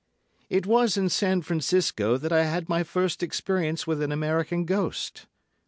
It was in San Francisco that I had my first experience with an American ghost.